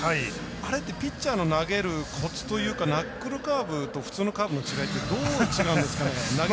あれってピッチャーの投げるコツというかナックルカーブと普通のカーブの違いってどう違うんですかね。